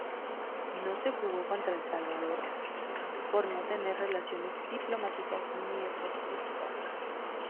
No se jugó contra El Salvador, por no tener relaciones diplomáticas ni deportivas.